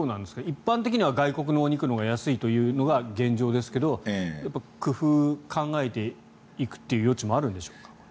一般的には外国のお肉のほうが安いというのが現状ですけど工夫、考えていくという余地もあるんでしょうか。